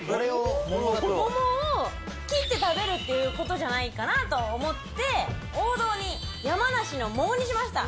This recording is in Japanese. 桃を切って食べるっていうことじゃないかなと思って、王道に山梨の桃にしました。